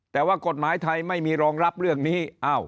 แต่ว่ากฎหมายไทยไม่มีรองรับเรื่องนี้